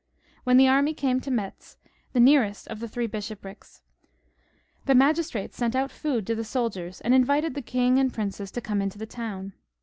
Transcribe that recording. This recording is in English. When the army came to Metz, the nearest of the Three Bishoprics, the magistrates sent out food to the soldiers and invited the king and princes to come into the town.